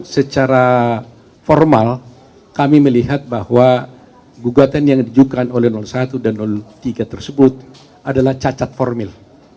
secara formal kami melihat bahwa gugatan yang dijukan oleh satu dan tiga tersebut adalah cacat formil